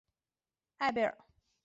艾贝尔。